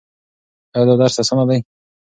ایا دا درس اسانه دی؟